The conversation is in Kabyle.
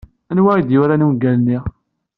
Anwa ay d-yuran ungal-nni?